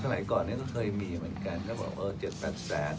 สมัยก่อนนี้ก็เคยมีเหมือนกันเขาบอกเออ๗๘แสน